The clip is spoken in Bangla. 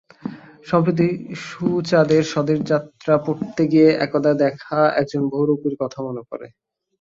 সম্প্রতি সুচাঁদের স্বদেশ যাত্রা পড়তে গিয়ে একদা দেখা একজন বহুরূপীর কথা মনে পড়ে।